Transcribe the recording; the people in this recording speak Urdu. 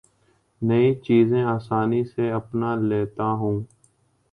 نئی چیزیں آسانی سے اپنا لیتا ہوں